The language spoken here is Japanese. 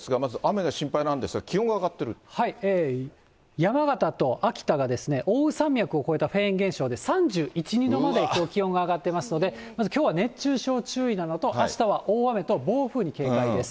山形と秋田が奥羽山脈を越えたフェーン現象で、３１、２度まできょう、気温が上がってますので、まずきょうは、熱中症注意なのと、あしたは大雨と、暴風に警戒です。